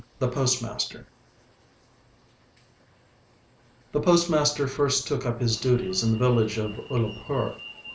THE POSTMASTER The postmaster first took up his duties in the village of Ulapur.